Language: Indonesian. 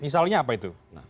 misalnya apa itu